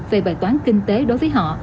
về bài toán kinh tế đối với họ